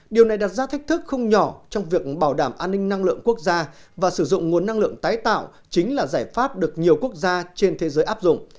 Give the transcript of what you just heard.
điều này đặt ra thách thức không nhỏ trong việc bảo đảm an ninh năng lượng quốc gia và sử dụng nguồn năng lượng tái tạo chính là giải pháp được nhiều quốc gia trên thế giới áp dụng